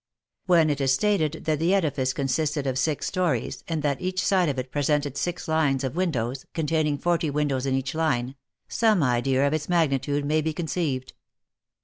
When it is stated that the edifice consisted of six stories, and that each side of it presented six lines of windows, containing forty windows in each line, some idea of its magnitude may be con ceived.